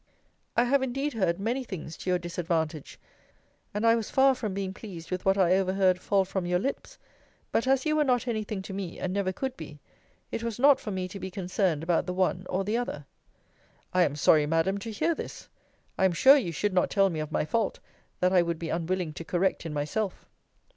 I have indeed heard many things to your disadvantage: and I was far from being pleased with what I overheard fall from your lips: but as you were not any thing to me, and never could be, it was not for me to be concerned about the one or the other. I am sorry, Madam, to hear this. I am sure you should not tell me of my fault, that I would be unwilling to correct in myself.